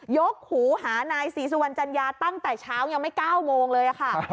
กหูหานายศรีสุวรรณจัญญาตั้งแต่เช้ายังไม่๙โมงเลยค่ะ